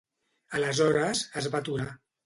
Aleshores, es va aturar.